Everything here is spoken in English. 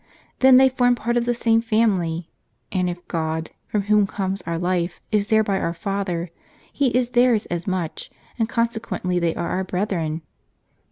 Then they form part of the same family ; and if God, from whom comes owr life, is thereby our Father, He is theirs as much, and con sequently they are our brethren."